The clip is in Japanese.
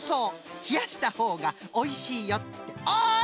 ひやしたほうがおいしいよっておい！